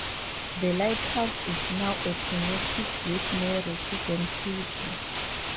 The lighthouse is now automatic with no resident keeper.